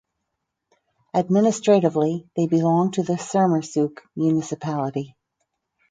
Administratively they belong to the Sermersooq municipality.